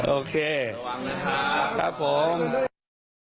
โอเคขอบคุณครับ